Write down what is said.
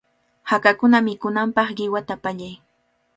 Hakakuna mikunanpaq qiwata pallay.